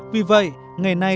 vì vậy ngày nay